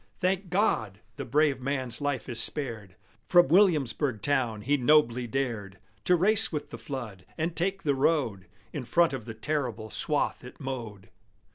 Thank God! the brave man's life is spared! From Williamsburg town he nobly dared To race with the flood, and take the road In front of the terrible swath it mowed.